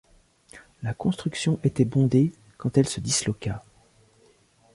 La construction était bondée quand elle se disloqua.